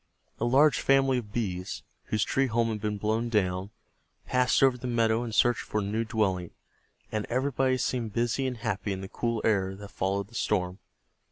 A large family of Bees, whose tree home had been blown down, passed over the meadow in search for a new dwelling, and everybody seemed busy and happy in the cool air that followed the storm.